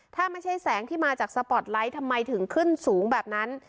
ถ้าไม่ใช่แสงที่มาจากสปอร์ตไลท์ทำไมถึงขึ้นสูงแบบนั้น